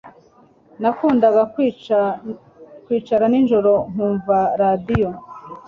Nakundaga kwicara nijoro nkumva radio.